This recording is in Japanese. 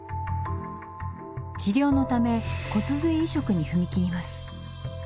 治療のため骨髄移植に踏み切ります。